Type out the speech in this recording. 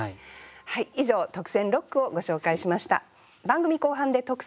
以上特選六句をご紹介しました。